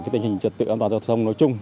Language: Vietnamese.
tình hình trật tự an toàn giao thông nói chung